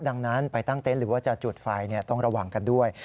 ดังนั้นไปตั้งเต็นต์หรือว่าจะจุดไฟต้องระวังกันด้วย